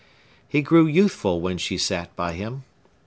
He grew youthful while she sat by him.